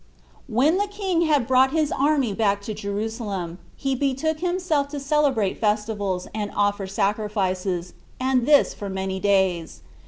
4. And when the king had brought his army back to Jerusalem, he betook himself to celebrate festivals, and offer sacrifices, and this for many days.